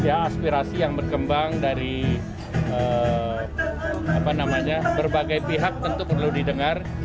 aspirasi yang berkembang dari berbagai pihak tentu perlu didengar